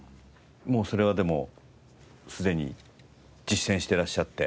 もうそれはでもすでに実践していらっしゃって。